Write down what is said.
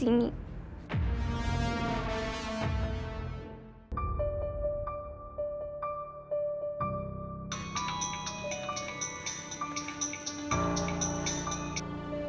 tidak ada apa apa